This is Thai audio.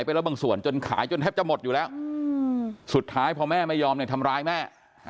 ไปแล้วบางส่วนจนขายจนแทบจะหมดอยู่แล้วสุดท้ายพอแม่ไม่ยอมเนี่ยทำร้ายแม่